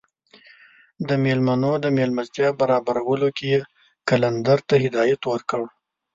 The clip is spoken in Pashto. د میلمنو د میلمستیا برابرولو کې یې قلندر ته هدایات ورکړل.